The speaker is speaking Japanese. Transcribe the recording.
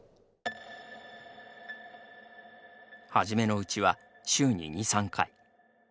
初めのうちは、週に２３回。